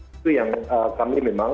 itu yang kami memang